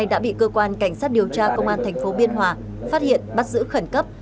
đã bị cơ quan cảnh sát điều tra công an tp biên hòa phát hiện bắt giữ khẩn cấp